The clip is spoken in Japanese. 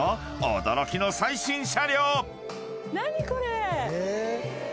驚きの最新車両。